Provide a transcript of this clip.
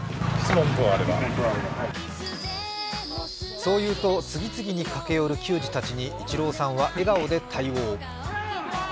そう言うと、次々に駆け寄る球児たちにイチローさんは笑顔で対応。